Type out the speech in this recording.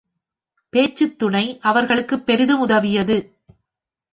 பேச்சுத்துணை அவர்களுக்குப் பெரிதும் உதவியது.